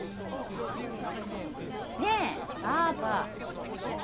ねえパパ。